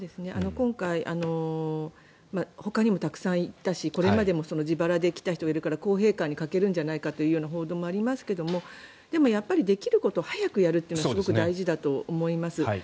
今回、ほかにもたくさんいたし、これまでも自腹で来た人がいるから公平感に欠けるんじゃないかという報道もありますけどもでもやっぱり、できることを早くやるというのはすごく大事だと思います。